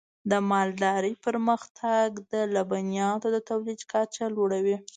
د مالدارۍ پرمختګ د لبنیاتو د تولید کچه لوړوي.